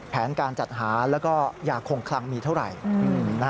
แผนการจัดหาแล้วก็ยาคงคลังมีเท่าไหร่